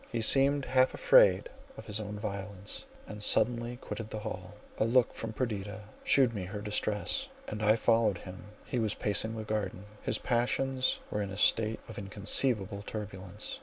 He seemed half afraid of his own violence, and suddenly quitted the hall: a look from Perdita shewed me her distress, and I followed him. He was pacing the garden: his passions were in a state of inconceivable turbulence.